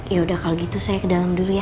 yaudah kalo gitu saya ke dalam dulu ya